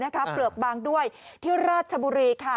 เปลือกบางด้วยที่ราชบุรีค่ะ